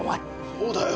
そうだよ。